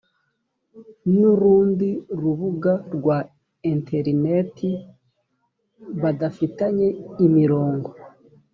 n’urundi rubuga rwa interineti badafitanye imirongo